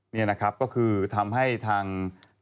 นี่นะครับก็คือทำให้ทาง